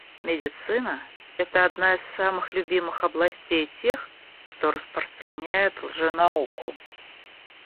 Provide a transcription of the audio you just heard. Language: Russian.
Медицина — это одна из самых любимых областей тех, кто распространяет лженауку.